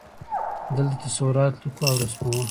دلته تصورات لیکو او رسموو.